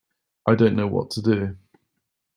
I didn't know what to do.